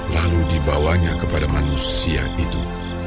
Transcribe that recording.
lalu dibawanya kepada manusia itu